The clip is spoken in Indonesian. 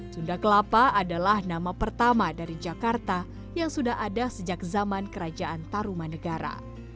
sunda kelapa adalah nama pertama dari jakarta yang sudah ada sejak zaman kerajaan taruman negara